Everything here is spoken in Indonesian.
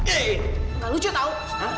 enggak lucu tau